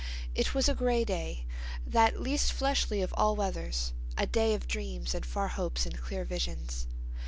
It was a gray day, that least fleshly of all weathers; a day of dreams and far hopes and clear visions.